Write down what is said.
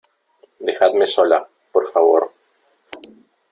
dejadme sola , por favor ,